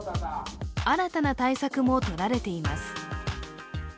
新たな対策もとられています。